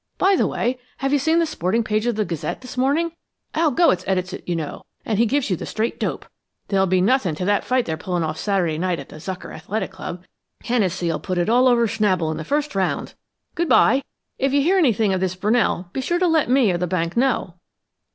By the way, have you seen the sporting page of the Gazette this morning? Al Goetz edits it, you know, and he gives you the straight dope. There'll be nothing to that fight they're pulling off Saturday night at the Zucker Athletic Club Hennessey'll put it all over Schnabel in the first round. Good by! If you hear anything of this Brunell, be sure you let me or the bank know!"